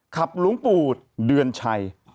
หลวงปู่เดือนชัย